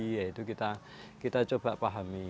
yaitu kita coba pahami